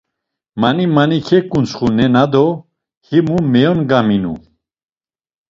Mani mani keǩuntsxu nena do himu meyongaminu.